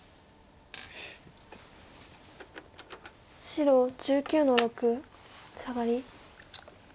白１９の六サガリ。